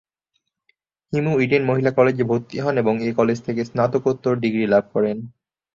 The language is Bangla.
হিমু ইডেন মহিলা কলেজে ভর্তি হন এবং এ কলেজ থেকে স্নাতকোত্তর ডিগ্রী লাভ করেন।